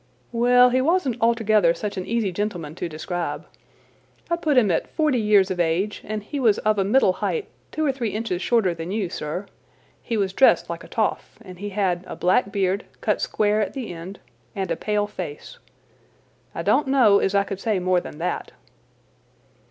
"Well, he wasn't altogether such an easy gentleman to describe. I'd put him at forty years of age, and he was of a middle height, two or three inches shorter than you, sir. He was dressed like a toff, and he had a black beard, cut square at the end, and a pale face. I don't know as I could say more than that."